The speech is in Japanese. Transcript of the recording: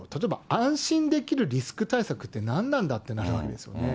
安心できるリスク対策って何なんだっていうことですよね。